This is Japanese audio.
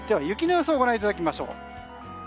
雪の予想をご覧いただきましょう。